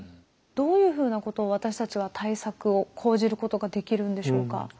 どういうふうなことを私たちは対策を講じることができるんでしょうか？